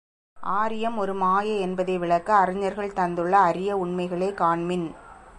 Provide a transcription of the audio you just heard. ஆரியம் ஒரு மாயை என்பதை விளக்க அறிஞர்கள் தந்துள்ள அரிய உண்மைகளைக் காண்மின்!